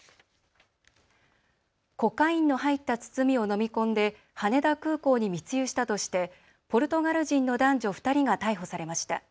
コカインの入った包みを飲み込んで羽田空港に密輸したとしてポルトガル人の男女２人が逮捕されました。